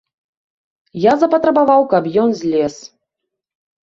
Я запатрабаваў, каб ён злез.